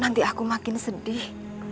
nanti aku makin sedih